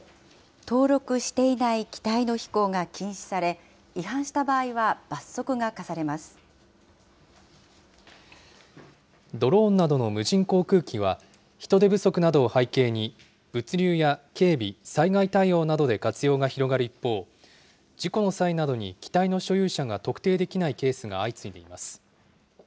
登録していない機体の飛行が禁止され、違反した場合は罰則がドローンなどの無人航空機は、人手不足などを背景に、物流や警備、災害対応などで活用が広がる一方、事故の際などに機体の所有者が特定できないケースが相次いでいます。